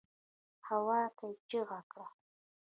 هواته يې چيغه کړه.